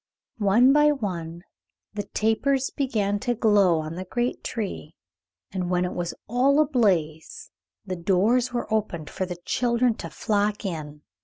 One by one the tapers began to glow on the great tree, and when it was all ablaze the doors were opened for the children to flock in.